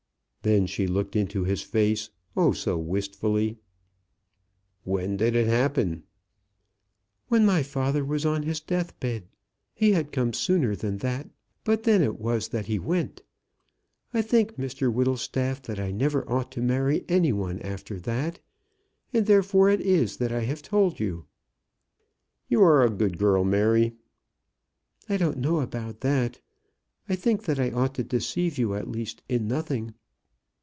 Then she looked into his face, oh! so wistfully. "When did it happen?" "When my father was on his death bed. He had come sooner than that; but then it was that he went. I think, Mr Whittlestaff, that I never ought to marry any one after that, and therefore it is that I have told you." "You are a good girl, Mary." "I don't know about that. I think that I ought to deceive you at least in nothing."